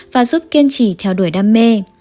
và giúp kiên trì theo đuổi đam mê